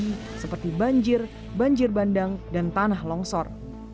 banjir seperti banjir banjir bandang dan tanah longsor